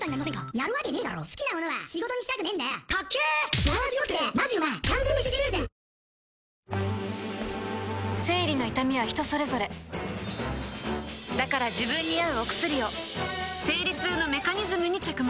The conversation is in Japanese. おいしさプラス生理の痛みは人それぞれだから自分に合うお薬を生理痛のメカニズムに着目